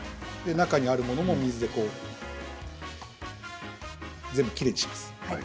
中にあるものも、水でね全部きれいにします。